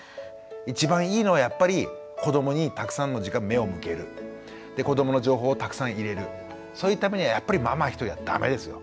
一番いいのはやっぱり子どもにたくさんの時間目を向けるで子どもの情報をたくさん入れるそういうためにはやっぱりママ一人ではダメですよ。